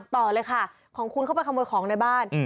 ต่อเลยค่ะของคุณเข้าไปขโมยของในบ้าน